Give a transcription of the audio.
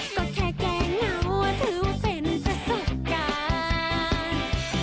ก็แค่แก้เหงาถือเป็นประสบการณ์